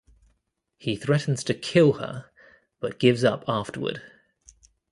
He threatens to kill her, but gives up afterward.